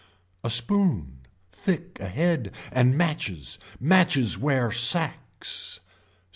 A spoon, thick ahead and matches, matches wear sacks.